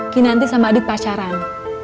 kinanti sama adit pacaran